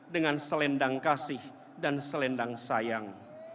dengan selendang kasih dan selendang sayang